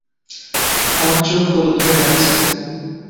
আমার চোখ হলুদ হয়ে আছে।